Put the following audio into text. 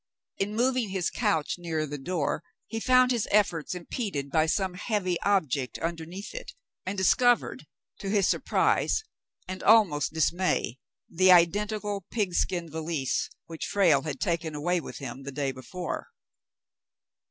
In moving his couch nearer the door, he found his efforts impeded by some heavy object underneath it, and dis covered, to his surprise and almost dismay, the identical pigskin valise which Frale had taken away with him the day before.